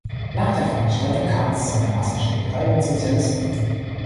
Nach der Veranstaltung kam es zu einer Massenschlägerei mit Sozialisten.